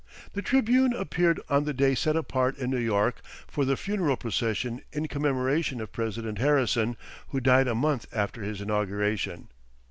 The "Tribune" appeared on the day set apart in New York for the funeral procession in commemoration of President Harrison, who died a month after his inauguration.